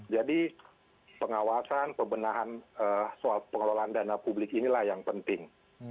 jadi pengawasan pembenahan soal pengelolaan dana publik inilah yang penting